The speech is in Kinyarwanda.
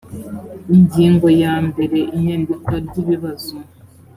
ingingo ya mbere inyandikwa ry ibibazo